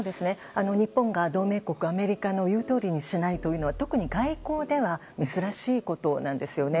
日本が同盟国アメリカの言うとおりにしないというのは特に外交では珍しいことなんですね。